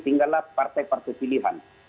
tinggallah partai partai pilihan